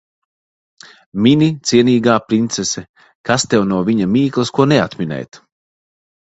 Mini, cienīgā princese. Kas tev no viņa mīklas ko neatminēt.